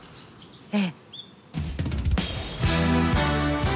ええ。